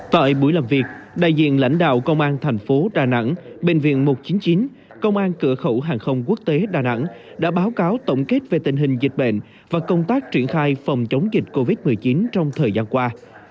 tại buổi làm việc đại diện lãnh đạo công an thành phố đà nẵng bệnh viện một trăm chín mươi chín công an cửa khẩu hàng không quốc tế đà nẵng đã báo cáo tổng kết về tình hình dịch bệnh và công tác triển khai phòng chống dịch covid một mươi chín trong thời gian qua